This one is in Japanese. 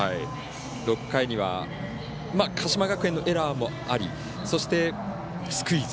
６回には鹿島学園のエラーもありそして、スクイズ。